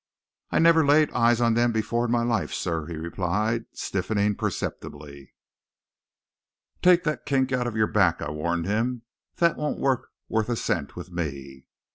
"I never laid eyes on them before in my life, sir," he replied, stiffening perceptibly. "Take that kink out of your back," I warned him. "That won't work worth a cent with me!"